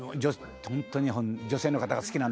ホントに女性の方が好きなんですよ」